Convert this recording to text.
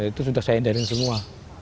itu sudah saya edarin semua